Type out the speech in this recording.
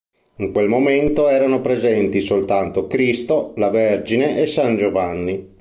In quel momento erano presenti soltanto Cristo, la Vergine e San Giovanni.